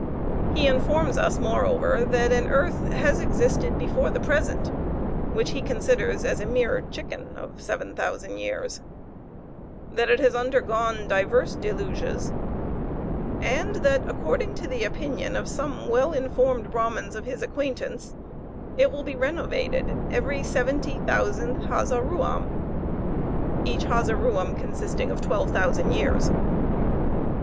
He informs us moreover, that an earth has existed before the present (which he considers as a mere chicken of 7,000 years), that it has undergone divers deluges, and that, according to the opinion of some well informed Brahmins of his acquaintance; it will be renovated every seventy thousandth hazarouam; each hazarouam consisting of 12,000 years.